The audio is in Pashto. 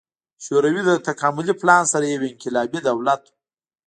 شوروي له تکاملي پلان سره یو انقلابي دولت و.